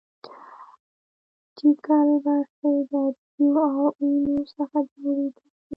اپټیکل برخې د عدسیو او اینو څخه جوړې شوې.